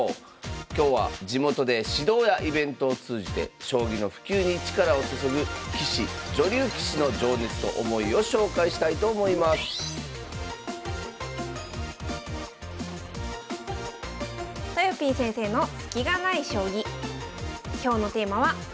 今日は地元で指導やイベントを通じて将棋の普及に力を注ぐ棋士・女流棋士の情熱と思いを紹介したいと思いますとよぴー先生の「スキがない将棋」。